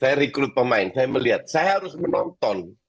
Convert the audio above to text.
saya rekrut pemain saya melihat saya harus menonton